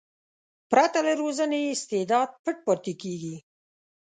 پرته له روزنې استعداد پټ پاتې کېږي.